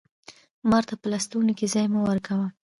مار ته په لستوڼي کښي ځای مه ورکوه